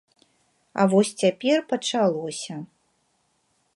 А вось цяпер пачалося.